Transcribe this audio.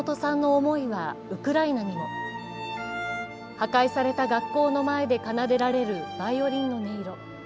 破壊された学校の前で奏でられるバイオリンの音色。